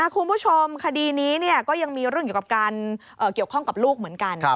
คุณผู้ชมคดีนี้ก็ยังมีเรื่องเกี่ยวกับการเกี่ยวข้องกับลูกเหมือนกัน